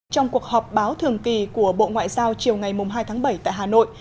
trong cuộc họp báo thường kỳ của bộ ngoại giao chiều ngày hai tháng bảy tại hà nội